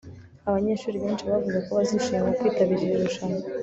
abanyeshuri benshi bavuze ko bazishimira kwitabira iri rushanwa